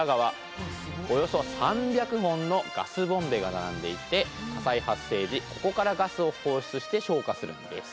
およそ３００本のガスボンベが並んでいて火災発生時ここからガスを放出して消火するんです。